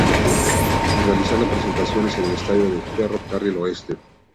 Y realizando presentaciones en el estadio de "Ferro Carril Oeste".